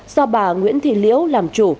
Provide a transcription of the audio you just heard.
do bà nguyễn thị liễu làm chủ